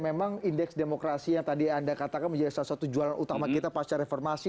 memang indeks demokrasi yang tadi anda katakan menjadi salah satu jualan utama kita pasca reformasi